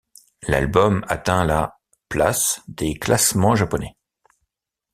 L'album atteint la place des classements japonais.